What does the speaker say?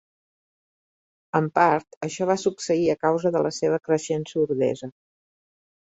En part, això va succeir a causa de la seva creixent sordesa.